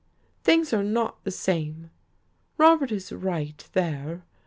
Things are not the same. Robert is right, there.